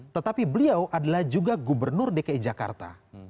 tetapi beliau adalah juga gubernur dki jakarta